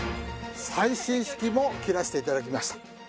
最新式も切らしていただきました。